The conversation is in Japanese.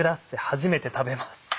初めて食べます。